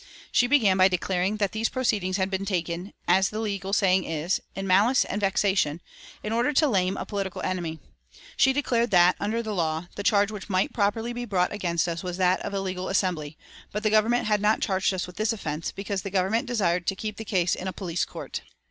She began by declaring that these proceedings had been taken, as the legal saying is, "in malice and vexation," in order to lame a political enemy. She declared that, under the law, the charge which might properly be brought against us was that of illegal assembly, but the Government had not charged us with this offence, because the Government desired to keep the case in a police court.